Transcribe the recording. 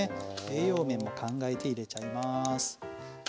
栄養面も考えて入れちゃいます。